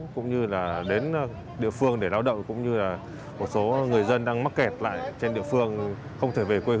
cũng như là đến địa phương để lao động cũng như là một số người dân đang mắc kẹt lại trên địa phương